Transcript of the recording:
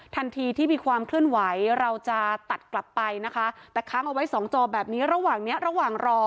ทันทีที่มีความเคลื่อนไหวเราจะตัดกลับไปนะคะแต่ค้างเอาไว้สองจอแบบนี้ระหว่างเนี้ยระหว่างรอ